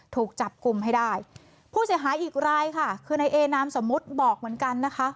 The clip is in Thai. ถูกจับกลุ่มให้ได้ผู้เสียหายอีกรายค่ะคือในเอนามสมมุติบอกเหมือนกันนะคะ